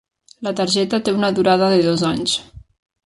La targeta té una durada de dos anys.